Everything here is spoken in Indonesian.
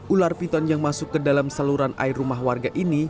ular piton yang masuk ke dalam saluran air rumah warga ini